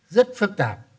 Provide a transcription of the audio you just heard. rất phức tạp